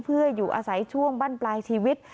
เพื่ออยู่อาศัยช่วงบั้นปลายชีวิต